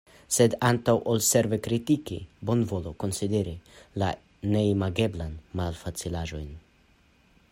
Sed antaŭ ol severe kritiki, bonvolu konsideri la neimageblajn malfacilaĵojn.